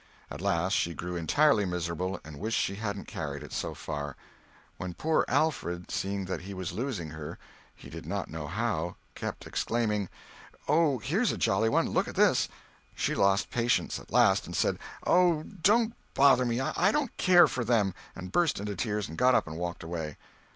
At last she grew entirely miserable and wished she hadn't carried it so far. When poor Alfred, seeing that he was losing her, he did not know how, kept exclaiming: "Oh, here's a jolly one! look at this!" she lost patience at last, and said, "Oh, don't bother me! I don't care for them!" and burst into tears, and got up and walked away.